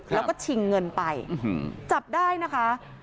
แล้วก็ชิงเงินไปจับได้นะคะ